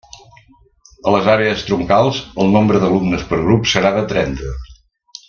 A les àrees troncals, el nombre d'alumnes per grup serà de trenta.